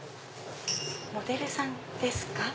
モデルさんですか？